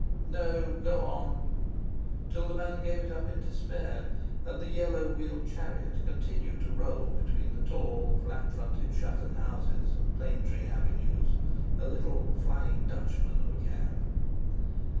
_" "No, go on," till the man gave it up in despair, and the yellow wheeled chariot continued to roll between the tall, flat fronted shuttered houses and plane tree avenues—a little Flying Dutchman of a cab.